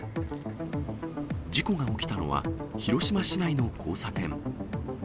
事故が起きたのは、広島市内の交差点。